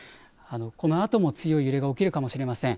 このあとも強い揺れが起きるかもしれません。